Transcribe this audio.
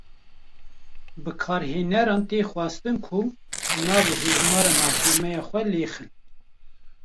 Ji bikarhêneran tê xwestin ku nav û hejmara nasnameya xwe lêxin.